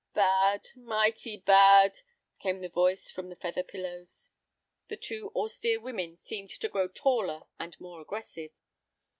"Bad, mighty bad," came the voice from the feather pillows. The two austere women seemed to grow taller and more aggressive.